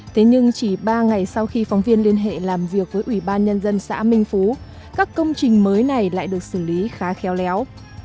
thế nhưng chỉ ba ngày sau khi phóng viên liên hệ làm việc với ủy ban nhân dân xã minh phú các công trình mới này lại được xử lý khá khéo léo